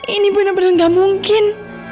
ini bener bener gak mungkin